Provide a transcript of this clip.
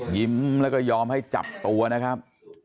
ยิ้มแล้วก็ยอมให้จับตัวนะครับ